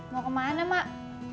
mau kemana mak